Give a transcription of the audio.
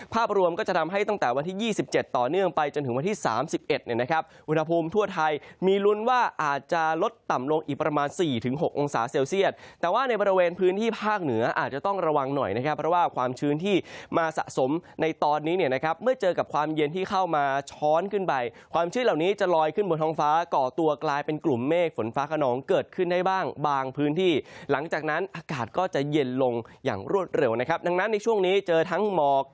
ภาพรวมก็จะทำให้ตั้งแต่วันที่๒๗ต่อเนื่องไปจนถึงวันที่๓๑นะครับวุฒาภูมิทั่วไทยมีรุนว่าอาจจะลดต่ำลงอีกประมาณ๔๖องศาเซลเซียสแต่ว่าในบรรเวณพื้นที่ภาคเหนืออาจจะต้องระวังหน่อยนะครับเพราะว่าความชื้นที่มาสะสมในตอนนี้เนี่ยนะครับเมื่อเจอกับความเย็นที่เข้ามาช้อนขึ้นไปความ